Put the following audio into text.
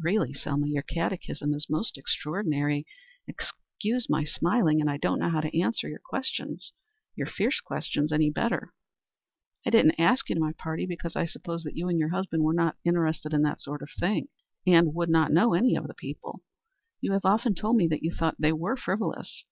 "Really, Selma, your catechism is most extraordinary. Excuse my smiling. And I don't know how to answer your questions your fierce questions any better. I didn't ask you to my party because I supposed that you and your husband were not interested in that sort of thing, and would not know any of the people. You have often told me that you thought they were frivolous."